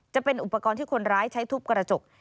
จะเป็นอุปกรณ์ที่คนร้ายใช้ทุบกระจก